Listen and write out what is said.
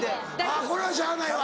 あぁこれはしゃあないわ。